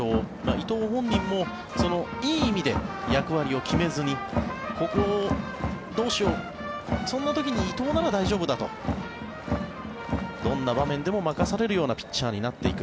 伊藤本人もいい意味で役割を決めずにここをどうしようそんな時に伊藤なら大丈夫だとどんな場面でも任されるようなピッチャーになっていく。